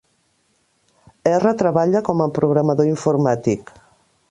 Erra treballa com a programador informàtic.